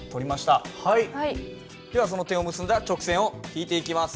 その点を結んだ直線を引いていきます。